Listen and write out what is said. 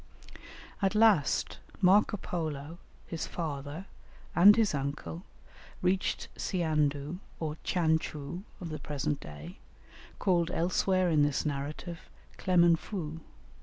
At last Marco Polo, his father, and his uncle, reached Ciandu or Tchan tchou of the present day, called elsewhere in this narrative Clemen foo.